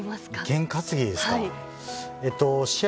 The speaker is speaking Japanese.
験担ぎですか、試合